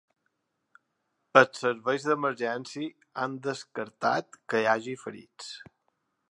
Els serveis d’emergència han descartat que hi hagi ferits.